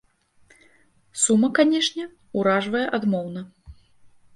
Сума, канешне, уражвае адмоўна.